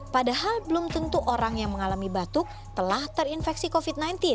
padahal belum tentu orang yang mengalami batuk telah terinfeksi covid sembilan belas